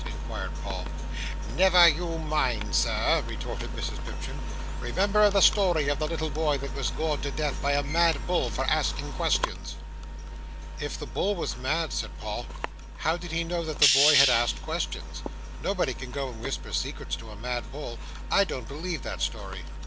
inquired Paul. "Never you mind, Sir," retorted Mrs Pipchin. "Remember the story of the little boy that was gored to death by a mad bull for asking questions." "If the bull was mad," said Paul, "how did he know that the boy had asked questions? Nobody can go and whisper secrets to a mad bull. I don't believe that story."